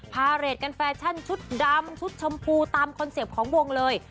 พาเรทกันแฟชั่นชุดดำชุดชมพูตามคอนเซ็ปต์ของวงเลย